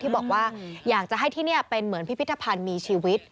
บอกว่าอยากจะให้ที่นี่เป็นเหมือนพิพิธภัณฑ์มีชีวิต